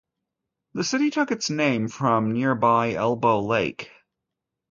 The city took its name from nearby Elbow Lake.